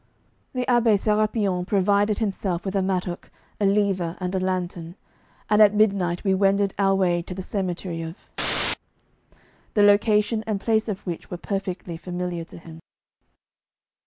The Abbé Sérapion provided himself with a mattock, a lever, and a lantern, and at midnight we wended our way to the cemetery of , the location and place of which were perfectly familiar to him.